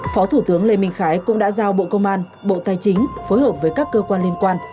phó thủ tướng lê minh khái cũng đã giao bộ công an bộ tài chính phối hợp với các cơ quan liên quan